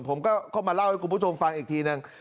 ผมก็เข้ามาเล่าให้คุณผู้ชมฟังอีกทีนึง